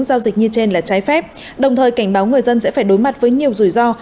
giao dịch như trên là trái phép đồng thời cảnh báo người dân sẽ phải đối mặt với nhiều rủi ro